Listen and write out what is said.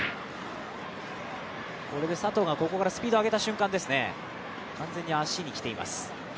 これで佐藤がここからスピード上げた瞬間ですね、完全に足に来ています。